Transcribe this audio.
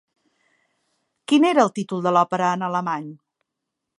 Quin era el títol de l'òpera en alemany?